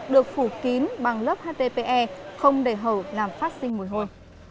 được phủ kín bằng lớp htpe không để hậu làm phát sinh mùi hôi